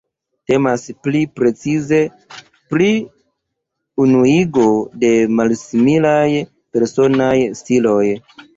Temas pli precize pri unuigo de malsimilaj personaj stiloj.